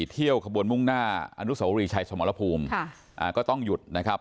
เที่ยวขบวนมุ่งหน้าอนุสวรีชัยสมรภูมิก็ต้องหยุดนะครับ